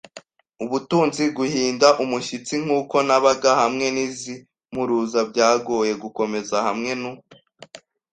ubutunzi. Guhinda umushyitsi nkuko nabaga hamwe nizi mpuruza, byangoye gukomeza hamwe nu